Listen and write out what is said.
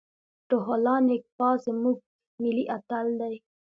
روح الله نیکپا زموږ ملي اتل دی.